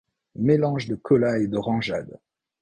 Mélange de cola et d'orangeade.